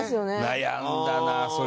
悩んだなそれは。